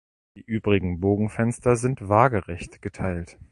Die übrigen Bogenfenster sind waagrecht geteilt.